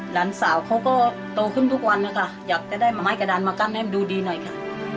หลานสาวเขาก็โตขึ้นทุกวันนะคะอยากจะได้ไม้กระดานมากั้นให้มันดูดีหน่อยค่ะ